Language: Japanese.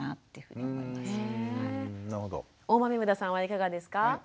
大豆生田さんはいかがですか？